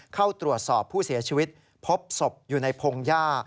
เข้าตรวจสอบผู้เสียชีวิตพบศพอยู่ในพงหญ้า